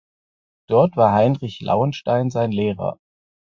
Dort war Heinrich Lauenstein sein Lehrer.